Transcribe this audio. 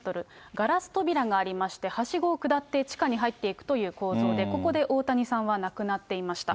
ガラス扉がありまして、はしごを下って地下に入っていくという構造で、ここで大谷さんは亡くなっていました。